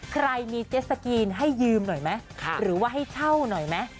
ใครมีเจ็ดสกีนให้ยืมหน่อยไหมหรือว่าให้เช่าหน่อยไหม